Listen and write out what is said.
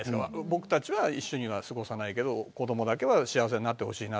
僕たちは一緒には過ごさないけど子どもだけには幸せになってほしい。